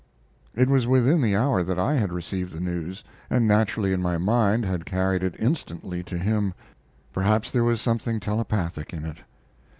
It was within the hour that I had received the news, and naturally in my mind had carried it instantly to him. Perhaps there was something telepathic in it.